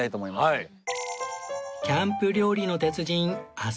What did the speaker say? はい。